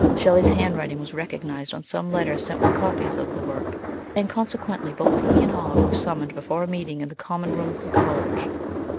Shelley's handwriting was recognised on some letters sent with copies of the work, and consequently both he and Hogg were sum moned before a meeting in the Common room of the College.